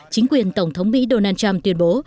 chính quyền tổng thống mỹ donald trump tuyên bố